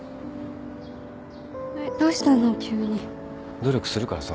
努力するからさ